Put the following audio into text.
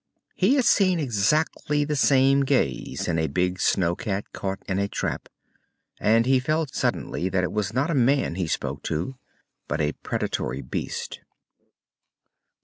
He had seen exactly the same gaze in a big snow cat caught in a trap, and he felt suddenly that it was not a man he spoke to, but a predatory beast.